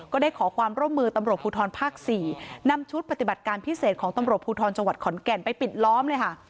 ก็ได้ขอความร่วมมือตำรวจภูทรภาค๔นำชุดปฏิบัติการพิเศษของตำรวจภูทรจังหวัดขอนแก่นไปปิดล้อมเลยค่ะ